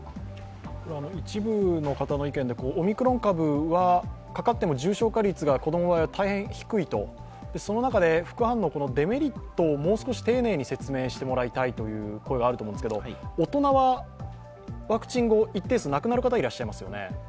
一部の方の意見で、オミクロン株はかかっても重症化率が子供は大変低いと、その中で、副反応、デメリットをもう少し説明してもらいたいという声があると思うんですけど、大人はワクチン後、一定数亡くなる方いらっしゃいますよね。